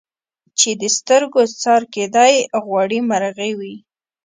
چي د سترګو څار کېدی غوړي مرغې وې